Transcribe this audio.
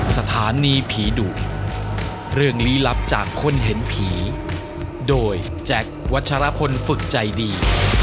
สถานีผีดุเรื่องลี้ลับจากคนเห็นผีโดยแจ็ควัชรพลฝึกใจดี